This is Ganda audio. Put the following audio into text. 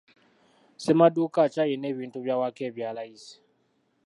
Ssemaduuka ki alina ebintu by'awaka ebya layisi?